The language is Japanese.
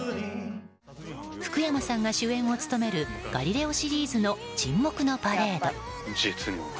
福山さんが主演を務める「ガリレオ」シリーズの「沈黙のパレード」。